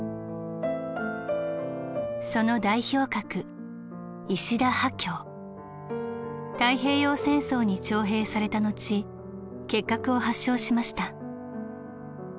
その代表格太平洋戦争に徴兵された後結核を発症しました。